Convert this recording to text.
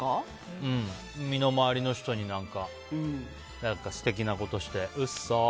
身の回りの人に何か素敵なことしてうっそ！